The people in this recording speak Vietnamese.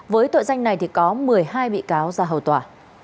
với tội danh này thì có một mươi hai bị cáo ra hầu tòa